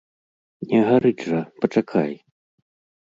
Не гарыць жа, пачакай.